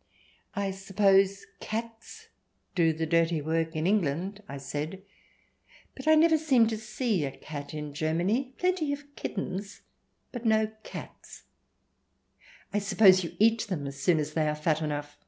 " I suppose cats do the dirty work in England," I said ;" but I never seem to see a cat in Germany. Plenty of kittens, but no cats. I suppose you eat them as soon as they are fat enough